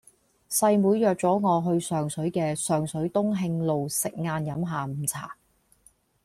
細妹約左我去上水嘅上水東慶路食晏飲下午茶